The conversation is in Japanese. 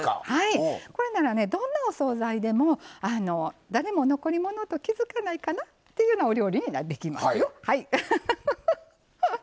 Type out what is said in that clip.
これなら、どんなお総菜でも誰も残り物と気付かないかなというようなお料理ができますよ。